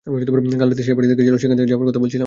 কাল রাতে সেই পার্টিতে গেছিলে যেখানে যাবার কথা বলেছিলাম?